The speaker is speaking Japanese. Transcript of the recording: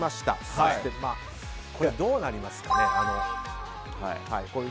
そして、どうなりますかね。